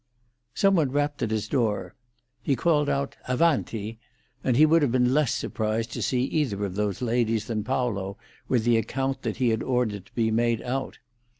Some one rapped at his door. He called out "Avanti!" and he would have been less surprised to see either of those ladies than Paolo with the account he had ordered to be made out.